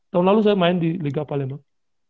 tahun lalu saya main di liga palembang